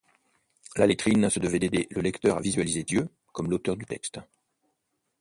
La lettrine se devait d'aider le lecteur à visualiser Dieu comme l'auteur du texte.